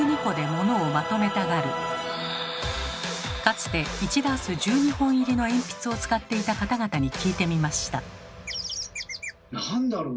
かつて１ダース１２本入りの鉛筆を使っていた方々に聞いてみました。